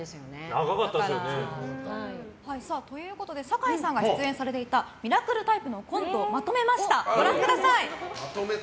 長かったですよね。ということで坂井さんが出演されていた「ミラクルタイプ」のコントをまとめました。